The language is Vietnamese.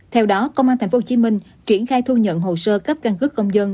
theo đó công an tp hcm triển khai thu nhận hồ sơ cấp căn cứ công dân